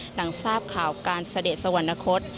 หลังทราบข่าวการเสด็จสวรรณคต